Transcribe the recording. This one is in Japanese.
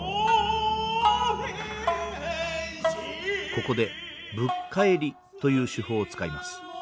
ここでぶっ返りという手法を使います。